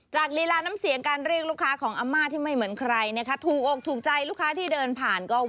ลีลาน้ำเสียงการเรียกลูกค้าของอาม่าที่ไม่เหมือนใครนะคะถูกอกถูกใจลูกค้าที่เดินผ่านก็